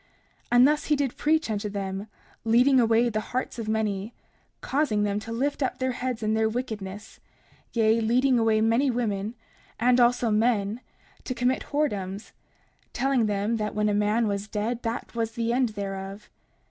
30:18 And thus he did preach unto them, leading away the hearts of many, causing them to lift up their heads in their wickedness, yea, leading away many women, and also men, to commit whoredoms—telling them that when a man was dead, that was the end thereof.